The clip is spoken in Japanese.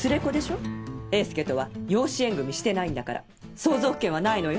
栄介とは養子縁組みしてないんだから相続権はないのよ。